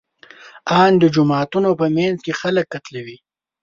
ان د جوماتونو په منځ کې خلک قتلوي.